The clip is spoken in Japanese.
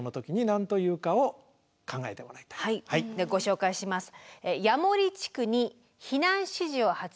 ご紹介します。